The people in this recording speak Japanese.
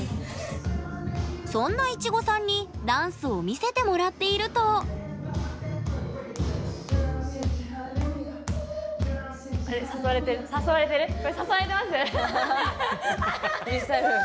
そんないちごさんにダンスを見せてもらっているとフリースタイル。